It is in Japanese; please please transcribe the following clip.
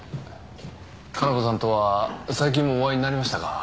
加奈子さんとは最近もお会いになりましたか？